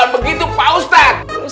bukan begitu pak ustadz